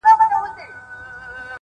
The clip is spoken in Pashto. لم د انسان ارزښت زیاتوي!